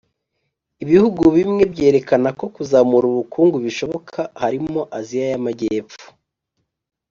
ibihugu bimwe byerekana ko kuzamura ubukungu bishoboka harimo aziya y’amajyepfo